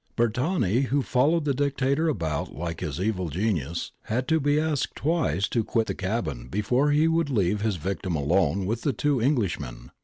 Bertani, who followed the Dictator about like his evil genius, had to be asked twice to quit the cabin before he would leave his victim alone with the two Englishmen.